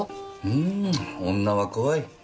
うん女は怖い。